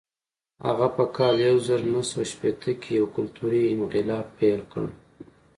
هغه په کال یو زر نهه سوه شپېته کې یو کلتوري انقلاب پیل کړ.